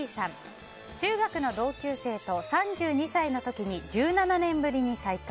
中学の同級生と３２歳の時に１７年ぶりに再会。